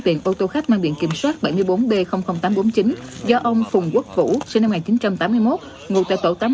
tiền ô tô khách mang biển kiểm soát bảy mươi bốn b tám trăm bốn mươi chín do ông phùng quốc vũ sinh năm một nghìn chín trăm tám mươi một ngụ tại tổ tám mươi